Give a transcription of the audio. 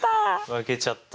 負けちゃった。